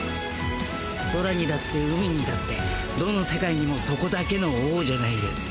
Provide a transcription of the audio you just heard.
空にだって海にだってどの世界にもそこだけの王者がいる。